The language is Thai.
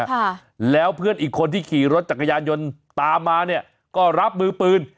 ค่ะแล้วเพื่อนอีกคนที่ขี่รถจักรยานยนต์ตามมาเนี่ยก็รับมือปืน